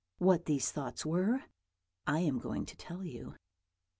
What these thoughts were I am going to tell you.